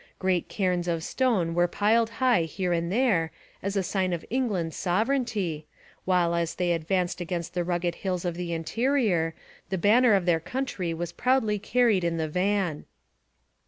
Great cairns of stone were piled high here and there, as a sign of England's sovereignty, while as they advanced against the rugged hills of the interior, the banner of their country was proudly carried in the van.